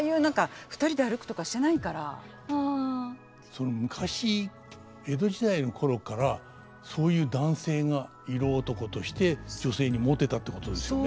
その昔江戸時代の頃からそういう男性が色男として女性にモテたってことですよね。